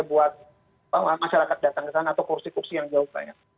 buat masyarakat datang ke sana atau kursi kursi yang jauh banyak